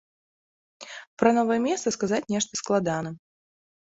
Пра новае месца сказаць нешта складана.